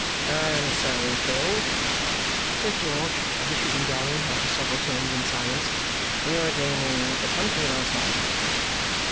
"And so, Phil," says George of the shooting gallery after several turns in silence, "you were dreaming of the country last night?"